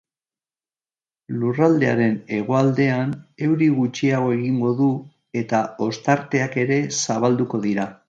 Lurraldearen hegoaldean euri gutxiago egingo du eta ostarteak ere zabalduko dira.